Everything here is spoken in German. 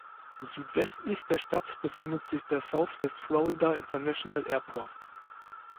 Südwestlich der Stadt befindet sich der Southwest Florida International Airport.